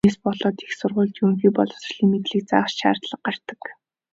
Үүнээс болоод их сургуульд ерөнхий боловсролын мэдлэг заах ч шаардлага гардаг.